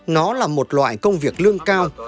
nó là một loại công việc lương cao